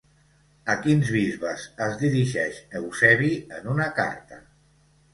A quins bisbes es dirigeix Eusebi en una carta?